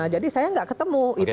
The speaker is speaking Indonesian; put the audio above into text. jadi saya tidak ketemu